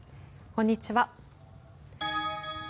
こんにちは。